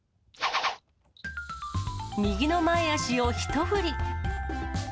右の前足を一振り。